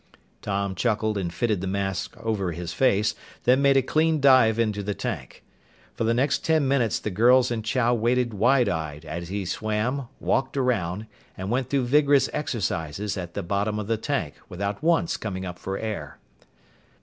Tom chuckled and fitted the mask over his face, then made a clean dive into the tank. For the next ten minutes the girls and Chow watched wide eyed as he swam, walked around, and went through vigorous exercises at the bottom of the tank without once coming up for air.